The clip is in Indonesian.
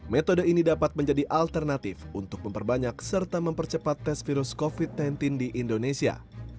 metode ini dapat menjadi alternatif untuk memperbanyak serta mempercepat tes virus covid sembilan belas di indonesia